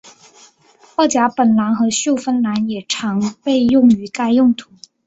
二甲苯蓝和溴酚蓝也常被用于该用途。